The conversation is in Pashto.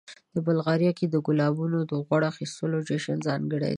بلغاریا کې د ګلابونو د غوړ اخیستلو جشن ځانګړی دی.